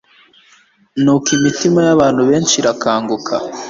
nuko imitima y'abantu benshi irakanguka,